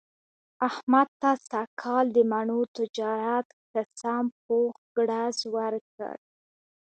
احمد ته سږ کال د مڼو تجارت ښه سم پوخ ګړز ورکړ.